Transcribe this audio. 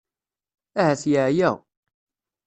Ahat yeɛya.